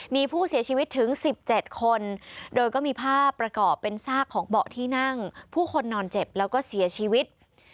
มีผู้เสียชีวิตถึง๑๗คนโดยก็มีภาพประกอบเป็นซากของเบาะที่นั่งผู้คนนอนเจ็บแล้วก็เสียชีวิต